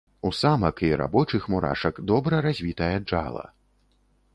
У самак і рабочых мурашак добра развітае джала.